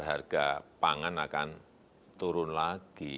harga pangan akan turun lagi